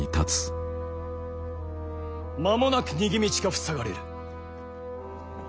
間もなく逃げ道が塞がれる。